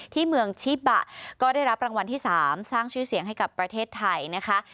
ที่เมืองชิบะก็ได้รับรางวัลที่๓สร้างชื่อเสียงให้กับประเทศไทยนะคะ